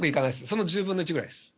その１０分の１ぐらいです。